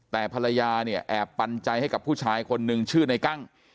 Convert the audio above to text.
แต่ภรรยาเนี่ยแอบปันใจให้กับผู้ชายคนนึงชื่อในกั้ง